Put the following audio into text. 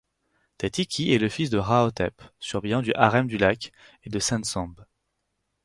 Tétiky est le fils de Rahotep, surveillant du harem du lac et de Sensonb.